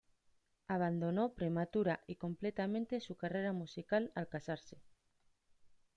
Abandonó prematura, y completamente su carrera musical al casarse.